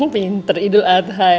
pinter idul adha ya